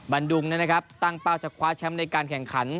บรรดุงตั้งเป้าจะคว้าแชมป์ในการแข่งขัน